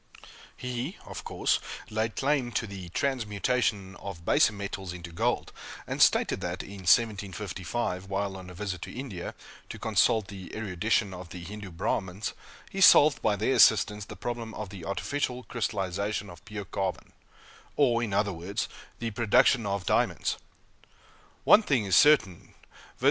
He, of course, laid claim to the transmutation of baser metals into gold, and stated that, in 1755, while on a visit to India, to consult the erudition of the Hindoo Brahmins, he solved, by their assistance, the problem of the artificial crystallization of pure carbon or, in other words, the production of diamonds! One thing is certain, viz.